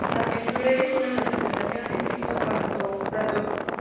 La pintura es una representación de Cristo Pantocrátor.